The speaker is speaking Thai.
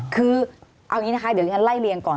คือเอาอย่างนี้นะคะเดี๋ยวที่ฉันไล่เรียงก่อน